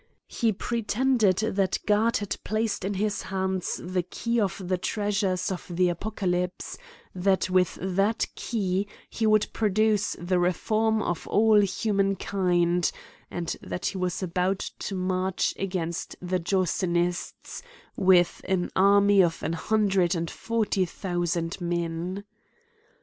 He pretended that God had placed in his hands, the key of the treasures of the Apo caiypse ; that with that key he would produce the reform of all human kind ; and that he was about to march against the Jansenists with an army of an hundred and forty thousand men.